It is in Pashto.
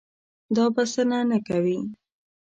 دا بسنه نه کوي.